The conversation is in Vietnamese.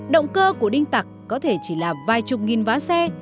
động cơ của đinh tặc có thể chỉ là vài chục nghìn vá xe